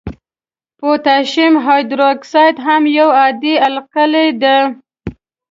پوتاشیم هایدروکساید هم یو عادي القلي ده.